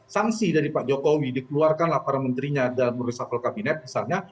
sanksi dari pak jokowi dikeluarkanlah para menterinya dalam reshuffle kabinet misalnya